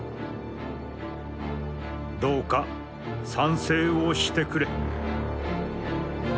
「どうか賛成をして呉れ」。